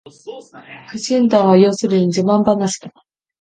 苦心談は要するに自慢ばなしだ